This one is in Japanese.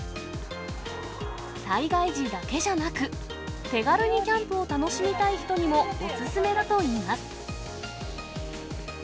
災害時だけじゃなく、手軽にキャンプを楽しみたい人にもお勧めだといいます。